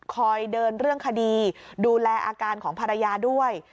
คอยเดินเรื่องคดีดูแลอาการของภรรยาด้วย